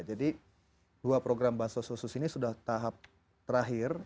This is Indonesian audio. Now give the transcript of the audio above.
jadi dua program bansos bansos ini sudah tahap terakhir